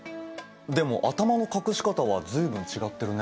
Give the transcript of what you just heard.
でも頭の隠し方は随分違ってるね。